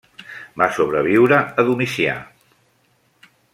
Va sobreviure a Domicià.